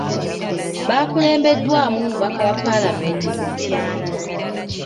Bakulembeddwamu omubaka wa Paalamenti mu Mityana.